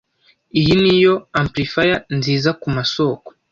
Iyi niyo amplifier nziza kumasoko.